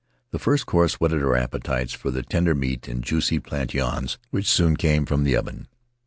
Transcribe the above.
The first course whetted our appetites for the tender meat and juicy plantains which soon came from the oven.